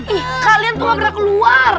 ih kalian tuh gak pernah keluar